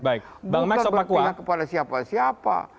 bukan berpihak kepada siapa siapa